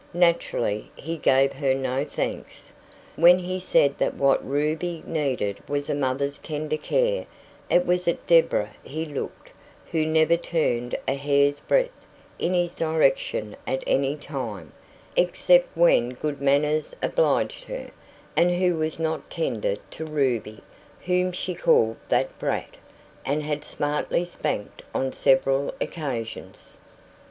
Naturally, he gave her no thanks. When he said that what Ruby needed was a mother's tender care, it was at Deborah he looked, who never turned a hair's breadth in his direction at any time, except when good manners obliged her, and who was not tender to Ruby, whom she called "that brat", and had smartly spanked on several occasions.